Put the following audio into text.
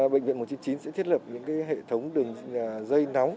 bệnh viện một trăm chín mươi chín sẽ thiết lập những hệ thống đường dây nóng